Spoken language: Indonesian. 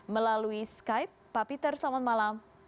melalui skype pak peter selamat malam